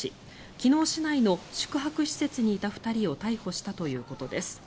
昨日、市内の宿泊施設にいた２人を逮捕したということです。